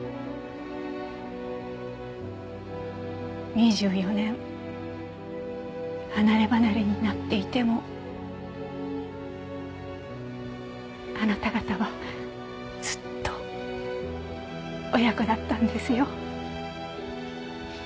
２４年離れ離れになっていてもあなた方はずっと親子だったんですよ。